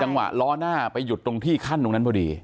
จังหวะล้อหน้าไปหยุดตรงที่ขั้นตรงนั้นพอดี